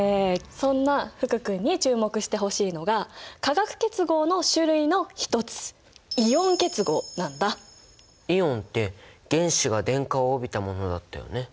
そんな福くんに注目してほしいのが化学結合の種類の一つイオンって原子が電荷を帯びたものだったよね。